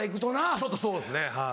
ちょっとそうですねはい。